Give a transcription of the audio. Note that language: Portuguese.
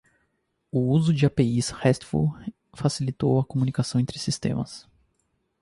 O uso de APIs RESTful facilitou a comunicação entre sistemas.